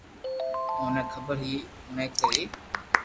اوني خبر ھي اوئي ڪرئي